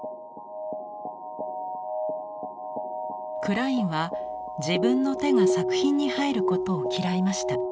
クラインは自分の手が作品に入ることを嫌いました。